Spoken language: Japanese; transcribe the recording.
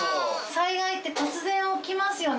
災害って突然起きますよね